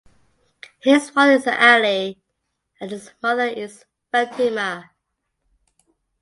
His father is Ali and his mother is Fatima.